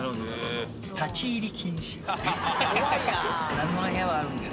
謎の部屋があるんです。